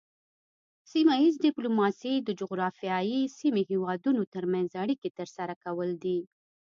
سیمه ایز ډیپلوماسي د جغرافیایي سیمې هیوادونو ترمنځ اړیکې ترسره کول دي